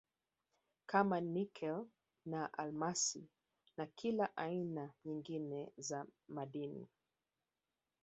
kama Nikel na almasi na kila aina nyingine za madini